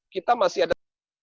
kita masih ada